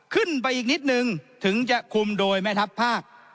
ขึ้นไปอีกนิดนึงถึงจะคุมโดยแม่ทัพภาค